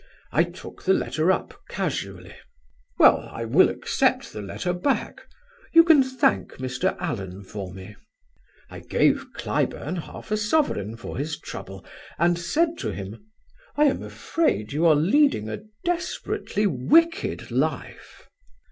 I took the letter up casually: "'Well, I will accept the letter back. You can thank Mr. Allen for me.' "I gave Cliburn half a sovereign for his trouble, and said to him: "'I am afraid you are leading a desperately wicked life.'